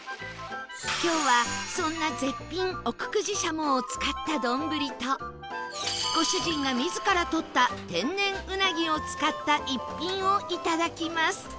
今日はそんな絶品奥久慈しゃもを使った丼とご主人が自らとった天然うなぎを使った逸品をいただきます